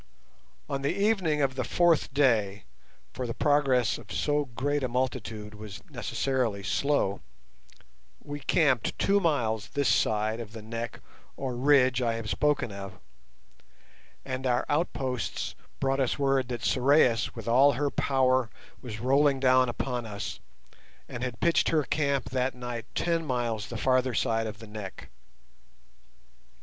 On the evening of the fourth day, for the progress of so great a multitude was necessarily slow, we camped two miles this side of the neck or ridge I have spoken of, and our outposts brought us word that Sorais with all her power was rolling down upon us, and had pitched her camp that night ten miles the farther side of the neck.